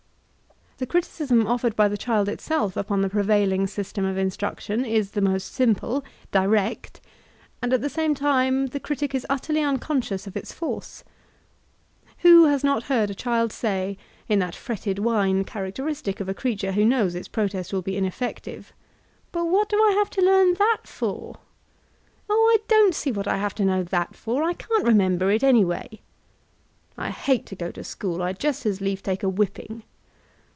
The criticism offered by the child itself upon the pre vailing system of instruction, is the most simple,— direct ; and at the same time, the critic is utterly unconsdotts of Modern Educational Reform 333 its force. Who has not heard a child say, in that fretted whine characteristic of a creature who knows its protest will be ineffective: "But what do I have to learn that for? — "Oh, I don't see what I have to know that for; I can't remember it anyway/' ''I hate to go to school ; Vd just as lief take a whipping!"